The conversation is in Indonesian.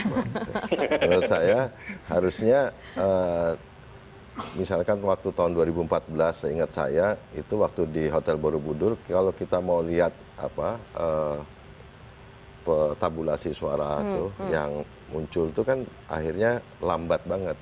menurut saya harusnya misalkan waktu tahun dua ribu empat belas seingat saya itu waktu di hotel borobudur kalau kita mau lihat tabulasi suara yang muncul itu kan akhirnya lambat banget